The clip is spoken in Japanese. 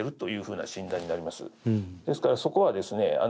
ですからそこはですね